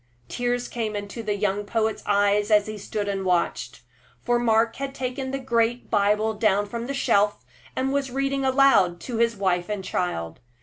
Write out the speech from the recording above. Tears came into the young poet's eyes as he stood and watched; for Mark had taken the great Bible down from the shelf, and was reading aloud to his wife and child.